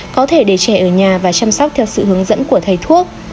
có thể để trẻ ở nhà và chăm sóc theo sự hướng dẫn của thầy thuốc